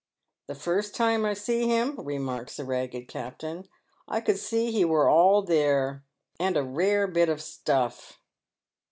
" The first time I see him," remarks the ragged Captain, " I could see he were all there, and a rare bit of stuff."